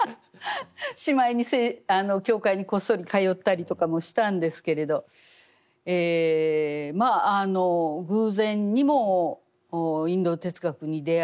しまいに教会にこっそり通ったりとかもしたんですけれどまあ偶然にもインド哲学に出会い